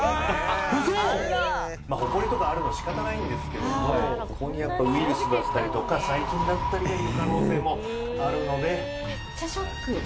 まあホコリとかがあるのは仕方ないんですけどもここにやっぱウイルスだったりとか細菌だったりがいる可能性もあるので。